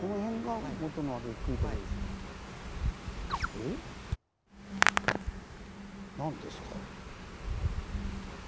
え⁉何ですか。